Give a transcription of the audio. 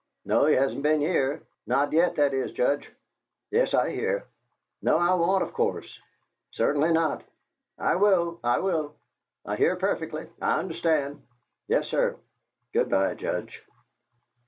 No, he hasn't been here. Not yet, that is, Judge. Yes, I hear. No, I won't, of course. Certainly not. I will, I will. I hear perfectly, I understand. Yes, sir. Good bye, Judge."